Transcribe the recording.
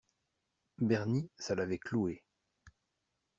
Bernie, ça l’avait cloué.